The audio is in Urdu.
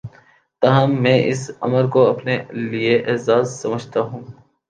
تاہم میں اس امر کو اپنے لیے اعزا ز سمجھتا ہوں